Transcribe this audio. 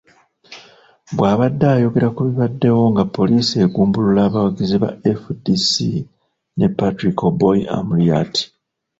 Bw'abadde ayogera ku bibaddewo nga poliisi egumbulula abawagizi ba FDC ne Patrick Oboi Amuriat.